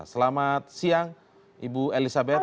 selamat siang ibu elisabeth